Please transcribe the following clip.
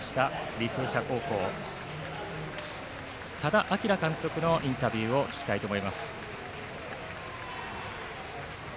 履正社高校の多田晃監督のインタビューを聞きたいと思います。